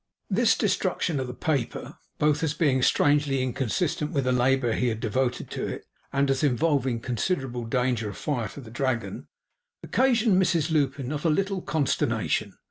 This destruction of the paper, both as being strangely inconsistent with the labour he had devoted to it, and as involving considerable danger of fire to the Dragon, occasioned Mrs Lupin not a little consternation.